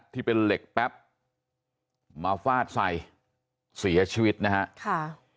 ที่เป็นเหล็กแป๊บมาฟาดใส่เสียชีวิตนะฮะค่ะ